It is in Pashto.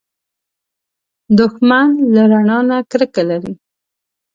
دښمن له رڼا نه کرکه لري